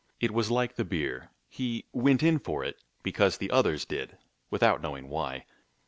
It was like the beer, he "went in for it" because the others did, without knowing why.